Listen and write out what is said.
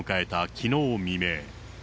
きのう未明。